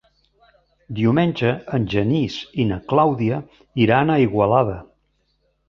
Diumenge en Genís i na Clàudia iran a Igualada.